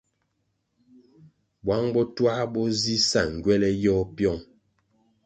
Buang botuah bo zi sa ngywele yôh piong.